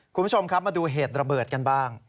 คุณผู้ชมครับมาดูเหตุระเบิดกันบ้าง